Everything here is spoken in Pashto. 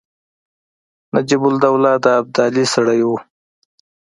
نجیب الدوله د ابدالي سړی وو.